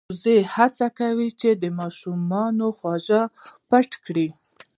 وزې هڅه وکړه چې د ماشومانو خواږه پټ کړي.